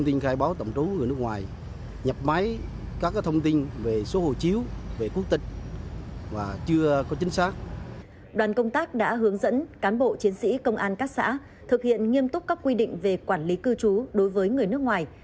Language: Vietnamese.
đoàn công tác đã hướng dẫn cán bộ chiến sĩ công an các xã thực hiện nghiêm túc các quy định về quản lý cư trú đối với người nước ngoài